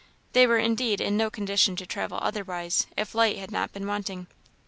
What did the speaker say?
They were indeed in no condition to travel otherwise, if light had not been wanting.